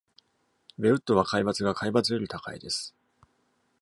ベウッドは海抜が海抜より高いです。